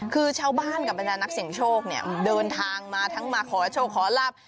คือชาวบ้านกับบรรดานักเสียงโชคเนี่ยเดินทางมาทั้งมาขอโชคขอลาบ